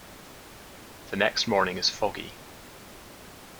The next morning is foggy.